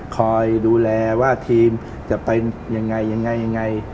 คอยดูแลว่าทีมจะไปยังไง